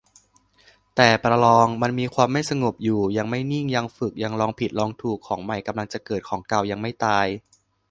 แต่ ประลอง มันมีความไม่สงบอยู่ ยังไม่นิ่ง ยังฝึก ยังลองผิดลองถูก ของใหม่กำลังจะเกิด ของเก่ายังไม่ตาย